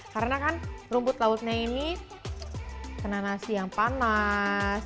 karena kan rumput lautnya ini kena nasi yang panas